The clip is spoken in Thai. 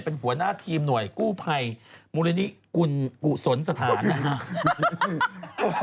เป็นหัวหน้าทีมหน่วยกู้ภัยมูรณิกุศลสถานนะฮะ